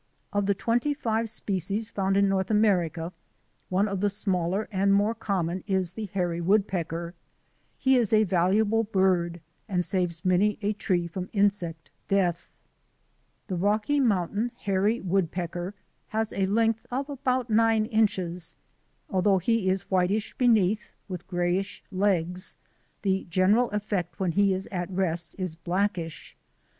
Of the twenty five species found in North America one of the smaller and more common is the hairy woodpecker. He is a valuable bird and saves many a tree from insect death. The Rocky Mountain hairy woodpecker has a length of about nine inches. Although he is whitish beneath, with grayish legs, the general effect when he is at rest is blackish.